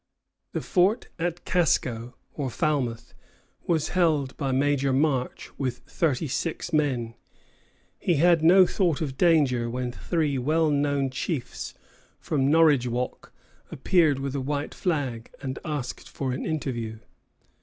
The fort at Casco, or Falmouth, was held by Major March, with thirty six men. He had no thought of danger, when three well known chiefs from Norridgewock appeared with a white flag, and asked for an interview.